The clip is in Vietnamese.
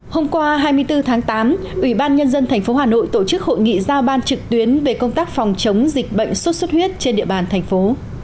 hôm qua hai mươi bốn tháng tám ủy ban nhân dân tp hà nội tổ chức hội nghị giao ban trực tuyến về công tác phòng chống dịch bệnh sốt xuất huyết trên địa bàn thành phố